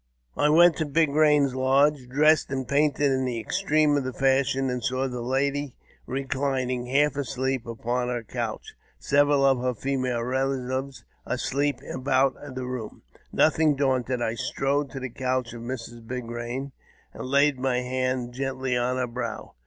I went to Big Eain's lodge, dressed and painted in the ■extreme of the fashion, and saw the lady reclining, half asleep, upon her couch, and several of her female relatives asleep about the room. Nothing daunted, I strode to the couch of Mrs. Big Hain, and laid my hand gently on her brow.